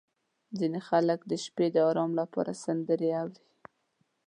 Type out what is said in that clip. • ځینې خلک د شپې د ارام لپاره سندرې اوري.